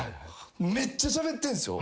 めっちゃしゃべってんです。